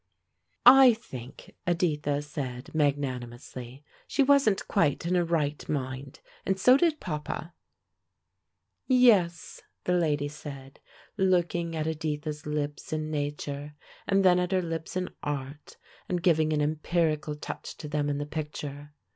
"I think," Editha said, magnanimously, "she wasn't quite in her right mind; and so did papa." "Yes," the lady said, looking at Editha's lips in nature and then at her lips in art, and giving an empirical touch to them in the picture.